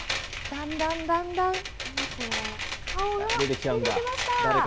だんだん、だんだん顔が出てきました。